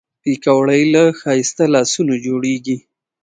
پکورې له ښایسته لاسونو جوړېږي